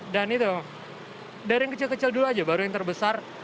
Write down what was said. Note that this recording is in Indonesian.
dan itu dari yang kecil kecil dulu aja baru yang terbesar